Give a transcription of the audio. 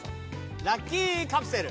ラッキーカプセル。